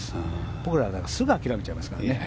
僕らはすぐ諦めちゃいますからね。